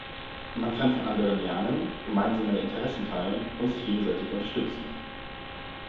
Man kann von anderen lernen, gemeinsame Interessen teilen und sich gegenseitig unterstützen.